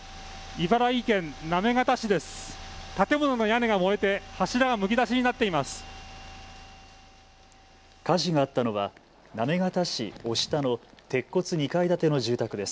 茨城県行方市です。